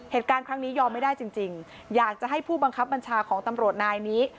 เหตุการณ์ครั้งนี้ยอมไม่ได้จริงอยากจะให้ผู้บังคับบัญชาของตำรวจนายนี้